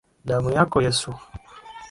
Damu yako Yesu.